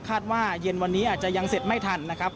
ว่าเย็นวันนี้อาจจะยังเสร็จไม่ทันนะครับ